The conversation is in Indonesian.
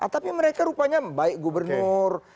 tapi mereka rupanya baik gubernur